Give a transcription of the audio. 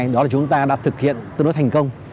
đó là chúng ta đã thực hiện tương đối thành công